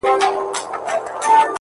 د درد د كړاوونو زنده گۍ كي يو غمى دی.